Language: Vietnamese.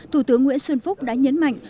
thủ tướng nguyễn xuân phúc đã nhấn mạnh